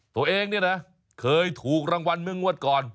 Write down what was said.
ตัวเองเนี่ยนะเคยถูกรางวัลเมื่องวดก่อน